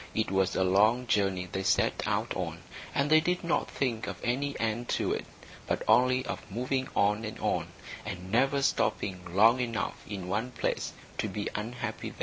It was a long journey they set out on, and they did not think of any end to it, but only of moving on and on, and never stopping long enough in one place to be unhappy there.